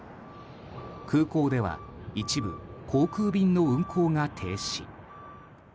空港では一部航空便の運航が停止。